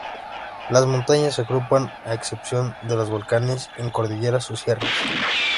Las montañas se agrupan, a excepción de los volcanes, en cordilleras o sierras.